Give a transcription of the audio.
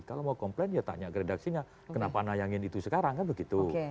kalau mau komplain ya tanya ke redaksinya kenapa nayangin itu sekarang kan begitu